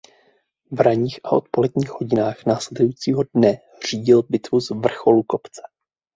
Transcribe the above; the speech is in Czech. V ranních a dopoledních hodinách následujícího dne řídil bitvu z vrcholu kopce.